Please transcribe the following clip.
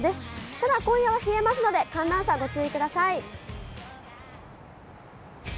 ただ、今夜は冷えますので、寒暖差ご注意ください。